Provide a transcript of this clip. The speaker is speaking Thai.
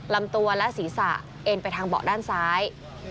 ลำตัวและศีรษะเอ็นไปทางเบาะด้านซ้าย